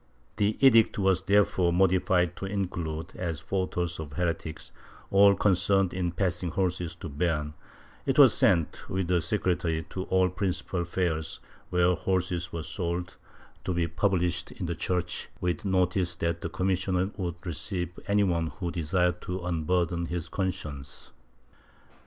The edict was therefore modified to include, as fautors of heretics, all concerned in passing horses to Beam ; it was sent, with a secretary, to all the principal fairs where horses were sold, to be published in the church, with notice that the commissioner would receive any one who desired to unburden his conscience.